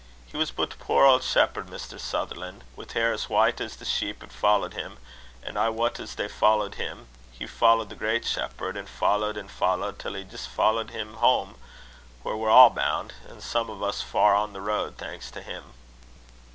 He was but a puir auld shepherd, Mr. Sutherlan', wi' hair as white as the sheep 'at followed him; an' I wat as they followed him, he followed the great Shepherd; an' followed an' followed, till he jist followed Him hame, whaur we're a' boun', an' some o' us far on the road, thanks to Him!"